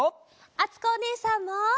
あつこおねえさんも。